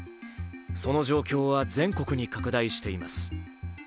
その状況は全国に拡大しています。